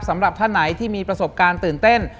สำหรับท่านไหนที่มีประสบการณ์ตื่นเต้น